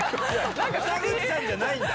北口さんじゃないんだ？